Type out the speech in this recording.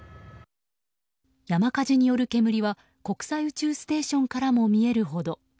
山火事による煙は国際宇宙ステーションからも見えるほど。